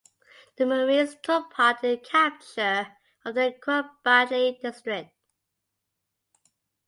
The marines took part in the capture of the Qubadli District.